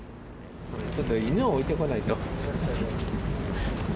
ちょっと犬を置いてこないと。